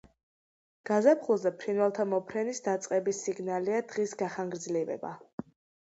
გაზაფხულზე ფრინველთა მიმოფრენის დაწყების სიგნალია დღის გახანგრძლივება.